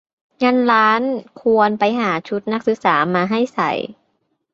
งั้นร้านควรไปหาชุดนักศึกษามาให้ใส่